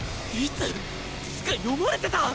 つうか読まれてた！